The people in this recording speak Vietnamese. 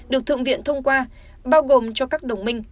được thượng viện thông qua bao gồm cho các đồng minh